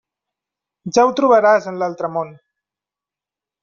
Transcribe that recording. Ja ho trobaràs en l'altre món.